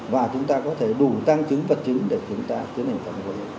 và chúng ta có thể đủ tăng chứng vật chứng để chúng ta tiến hành phạm vụ